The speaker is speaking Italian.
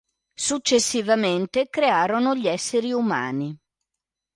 Successivamente crearono gli esseri umani.